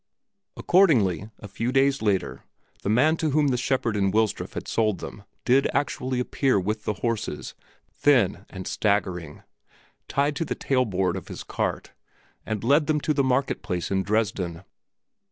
Accordingly, a few days later, the man to whom the shepherd in Wilsdruf had sold them did actually appear with the horses, thin and staggering, tied to the tailboard of his cart, and led them to the market place in Dresden.